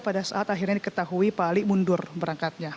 pada saat akhirnya diketahui pak ali mundur berangkatnya